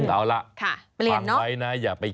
เอาล่ะฟังไว้นะอย่าไป